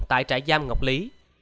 lại trải giam ngọc lý